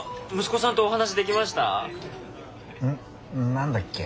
何だっけ？